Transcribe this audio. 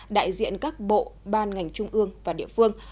đại diện các bộ ban ngành trung ương và địa phương